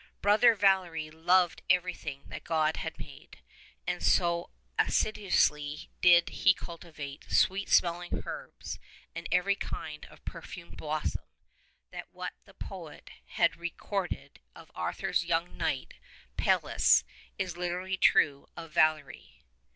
Brother Valery loved everything that God had made, and so assiduously did he cultivate sweet smelling herbs and every kind of perfumed blossom, that what the poet has re corded of Arthur's young knight Pelleas is literally true of V alery